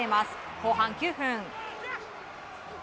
後半９分。